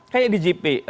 kayak di j p